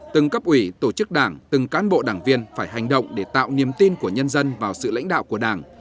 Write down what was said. từng cấp ủy tổ chức đảng từng cán bộ đảng viên phải hành động để tạo niềm tin của nhân dân vào sự lãnh đạo của đảng